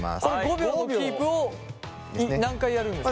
５秒のキープを何回やるんですか？